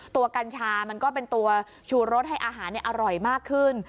กัญชามันก็เป็นตัวชูรสให้อาหารอร่อยมากขึ้น